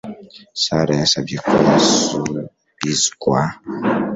Sara yasabye ko yasubizwa.